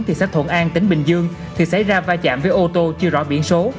thì xác thuận an tỉnh bình dương thì xảy ra va chạm với ô tô chưa rõ biển số